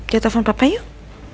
jatoh phone papa yuk